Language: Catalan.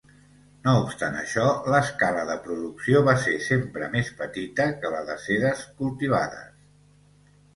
No obstant això, l'escala de producció va ser sempre més petita que la de sedes cultivades.